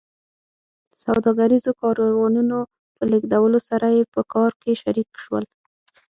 سوداګریزو کاروانونو په لېږدولو سره یې په کار کې شریک شول